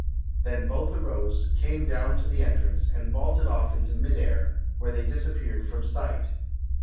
Then both arose, came down to the entrance, and vaulted off into mid air, where they disappeared from sight.